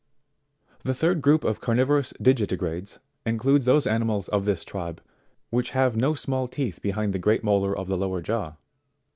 66. The THIRD GROUP OF CARNIVOROUS DIGITIGRADES, includes those animals of this tribe which have no small teeth behind the great molar of the lower jaw.